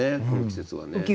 この季節はね。